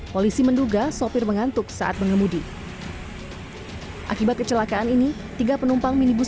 polisi menduga sopir mengantuk saat mengemudi akibat kecelakaan ini tiga penumpang minibus